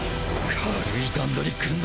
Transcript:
軽い段取り組ん